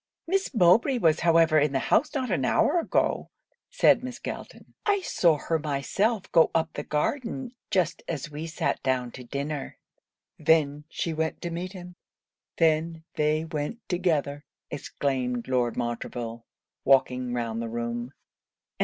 'Miss Mowbray was however in the house not an hour ago,' said Miss Galton; 'I saw her myself go up the garden just as we sat down to dinner.' 'Then she went to meet him! then they went together!' exclaimed Lord Montreville, walking round the room.